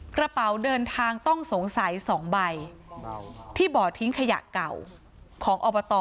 กระเป๋าเดินทางต้องสงสัย๒ใบที่บ่อทิ้งขยะเก่าของอบต